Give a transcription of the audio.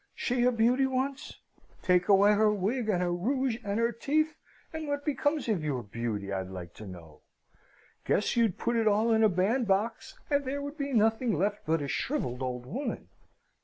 She a beauty once! Take away her wig, and her rouge, and her teeth; and what becomes of your beauty, I'd like to know? Guess you'd put it all in a bandbox, and there would be nothing left but a shrivelled old woman!"